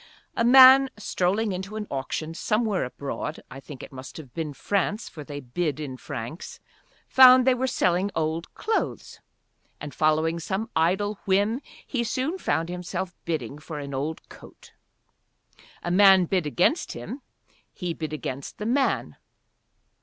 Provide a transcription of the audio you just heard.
A man strolling into an auction somewhere abroad, I think it must have been France, for they bid in francs, found they were selling old clothes. And following some idle whim he soon found himself bidding for an old coat. A man bid against him, he bid against the man.